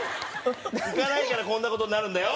行かないからこんな事になるんだよ。